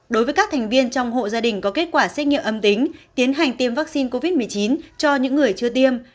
đối với các thành viên trong hộ gia đình có kết quả xét nghiệm âm tính tiến hành tiêm vaccine covid một mươi chín cho những người chưa tiêm